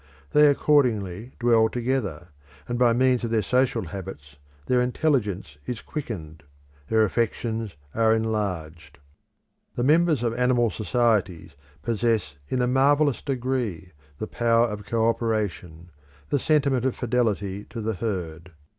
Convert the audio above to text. They accordingly dwell together, and by means of their social habits their intelligence is quickened, their affections are enlarged. The members of animal societies possess in a marvellous degree the power of co operation, the sentiment of fidelity to the herd.